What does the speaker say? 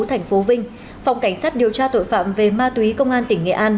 thành phố vinh phòng cảnh sát điều tra tội phạm về ma túy công an tỉnh nghệ an